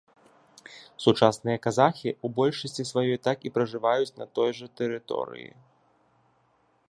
Сучасныя казахі ў большасці сваёй так і пражываюць на той жа тэрыторыі.